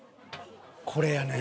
これやねん。